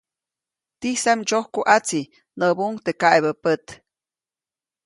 ¡Tisam ndsyoku ʼatsi! näbuʼuŋ teʼ kaʼebä pät.